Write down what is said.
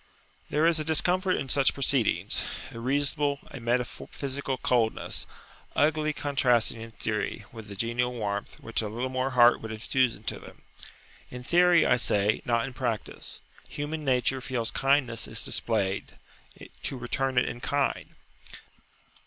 There is a discomfort in such proceedings, a reasonable, [p.52]a metaphysical coldness, uglily contrasting in theory with the genial warmth which a little more heart would infuse into them. In theory, I say, not in practice. Human nature feels kindness is displayed to return it in kind.